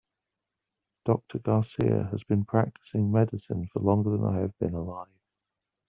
Doctor Garcia has been practicing medicine for longer than I have been alive.